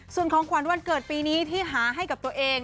ส่วนของขวัญวันเกิดปีนี้ที่หาให้กับตัวเอง